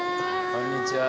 こんにちは。